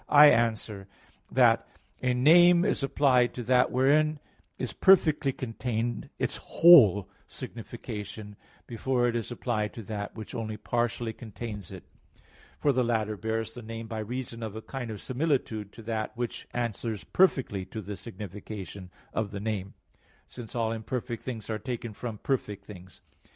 I answer that, A name is applied to that wherein is perfectly contained its whole signification, before it is applied to that which only partially contains it; for the latter bears the name by reason of a kind of similitude to that which answers perfectly to the signification of the name; since all imperfect things are taken from perfect things.